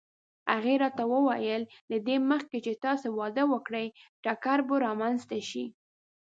هغې راته وویل: له دې مخکې چې تاسې واده وکړئ ټکر به رامنځته شي.